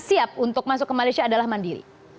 siap untuk masuk ke malaysia adalah mandiri